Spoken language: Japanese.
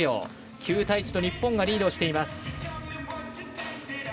９対１と日本がリードしています。